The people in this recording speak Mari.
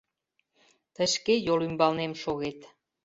— Тый шке йол ӱмбалнем шогет!